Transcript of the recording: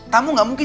tamu gak mungkin